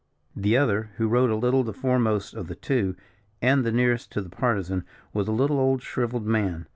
The other, who rode a little the foremost of the two, and the nearest to the Partisan, was a little old shrivelled man.